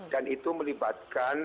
dan itu melibatkan